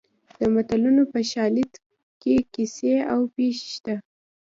د متلونو په شالید کې کیسې او پېښې شته